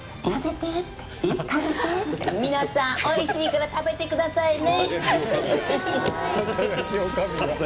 皆さん、おいしいから食べてくださいね！